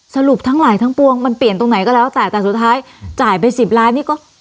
สรุปทั้งหลายทั้งปวงมันเปลี่ยนตรงไหนก็แล้วแต่แต่สุดท้ายจ่ายไปสิบล้านนี่ก็